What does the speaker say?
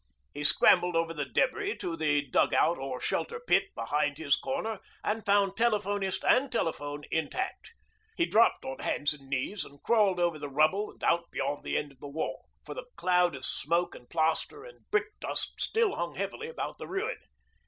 He scrambled over the debris to the dug out or shelter pit behind his corner and found telephonist and telephone intact. He dropped on hands and knees and crawled over the rubble and out beyond the end of the wall, for the cloud of smoke and plaster and brick dust still hung heavily about the ruin.